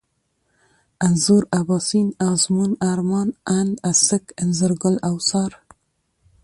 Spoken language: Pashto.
انځور ، اباسين ، ازمون ، ارمان ، اند، اڅک ، انځرگل ، اوڅار